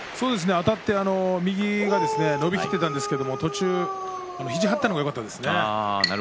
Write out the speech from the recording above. あたって右が伸びきっていたんですが途中、肘を張ったのがよかったですね。